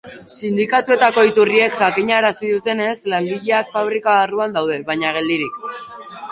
Sindikatuetako iturriek jakinarazi dutenez, langileak fabrika barruan daude, baina geldirik.